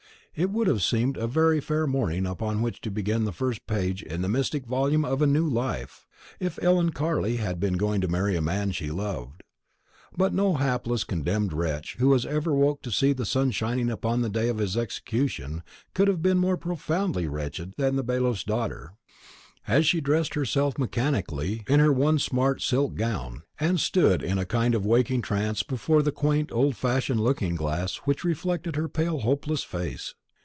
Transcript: It would have seemed a very fair morning upon which to begin the first page in the mystic volume of a new life, if Ellen Carley had been going to marry a man she loved; but no hapless condemned wretch who ever woke to see the sun shining upon the day of his execution could have been more profoundly wretched than the bailiff's daughter, as she dressed herself mechanically in her one smart silk gown, and stood in a kind of waking trance before the quaint old fashioned looking glass which reflected her pale hopeless face.